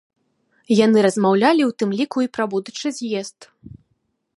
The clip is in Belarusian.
Яны размаўлялі ў тым ліку і пра будучы з'езд.